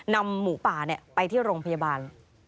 นำหมูป่าไปที่โรงพยาบาล